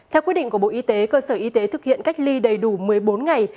theo quyết định của bộ y tế cơ sở y tế thực hiện cách ly đầy đủ một mươi bốn ngày